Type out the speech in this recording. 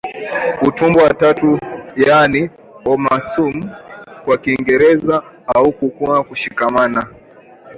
Utumbo wa tatu yaani omasum kwa Kiingereza hukauka na kushikamana